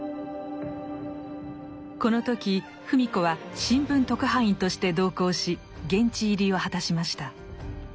この時芙美子は新聞特派員として同行し現地入りを果たしました。